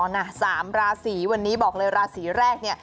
อ๋อน่ะ๓ราศีวันนี้บอกเลยราศีแรก